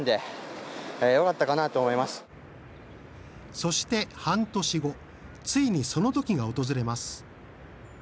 そして、半年後ついに、そのときが訪れます。